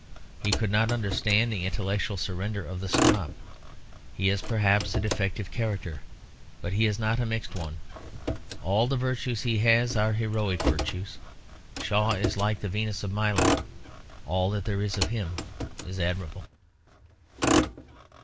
He could not understand the intellectual surrender of the snob. He is perhaps a defective character; but he is not a mixed one. All the virtues he has are heroic virtues. Shaw is like the Venus of Milo; all that there is of him is admirable.